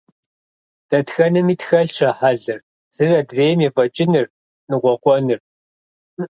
Дэтхэнэми тхэлъщ а хьэлыр – зыр адрейм ефӀэкӀыныр, ныкъуэкъуэныр.